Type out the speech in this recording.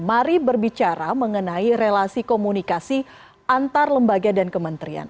mari berbicara mengenai relasi komunikasi antar lembaga dan kementerian